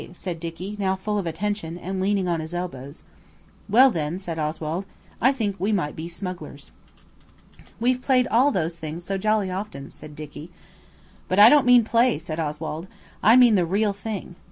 said Dicky, now full of attention, and leaning on his elbow. "Well, then," said Oswald, "I think we might be smugglers." "We've played all those things so jolly often," said Dicky. "But I don't mean play," said Oswald. "I mean the real thing.